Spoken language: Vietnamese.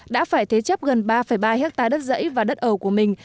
đã phải thế chấp gần ba ba hectare đất dãy và đất ở của mình